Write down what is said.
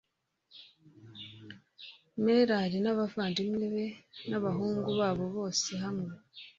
Merari r n abavandimwe be n abahungu babo Bose hamwe